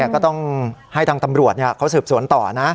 ก็ต้องให้ทางตำรวจเขาสืบสวนต่อนะ